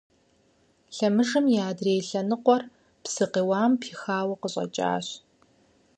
Лъэмыжым и адрей лъэныкъуэр псы къиуам пихауэ къыщӀэкӀащ.